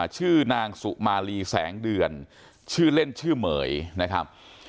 ชื่อนางสุมาลีแสงเดือนชื่อเล่นชื่อเหม๋ยนะครับ